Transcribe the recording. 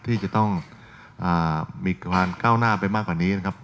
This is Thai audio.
ที่จะต้องมีการก้าวหน้าไปมากกว่านี้นะครับ